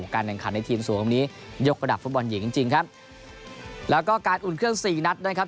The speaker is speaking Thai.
การแข่งขันในทีมสูงนี้ยกระดับฟุตบอลหญิงจริงจริงครับแล้วก็การอุ่นเครื่องสี่นัดนะครับ